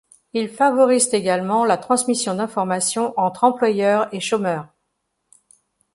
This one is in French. Ils favorisent également la transmission d'informations entre employeurs et chômeurs.